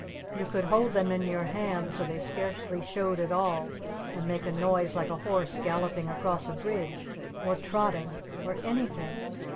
You could hold them in your hand so they scarcely showed at all and make a noise like a horse galloping across a bridge! Or trotting! Or anything!